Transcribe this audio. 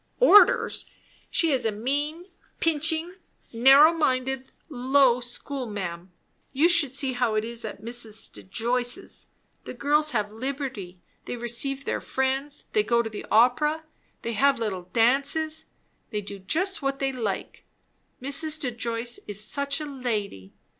"Orders! She is a mean, pinching, narrow minded, low, school ma'am. You should see how it is at Mrs. De Joyce's. The girls have liberty they receive their friends they go to the opera they have little dances they do just what they like. Mrs. De Joyce is such a lady!